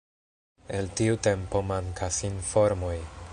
El tiu tempo mankas informoj.